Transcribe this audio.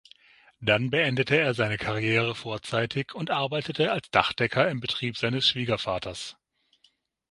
Dann beendete er seine Karriere vorzeitig und arbeitete als Dachdecker im Betrieb seines Schwiegervaters.